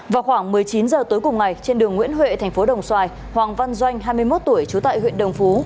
vào khoảng một mươi chín h tối cùng ngày trên đường nguyễn huệ tp đồng xoài hoàng văn doanh hai mươi một tuổi chú tại huyện đồng phú